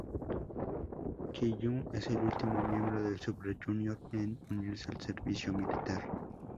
Kyuhyun es el último miembro de Super Junior en unirse al servicio militar.